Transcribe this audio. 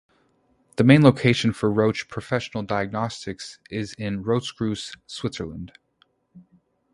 The main location for Roche Professional Diagnostics is in Rotkreuz, Switzerland.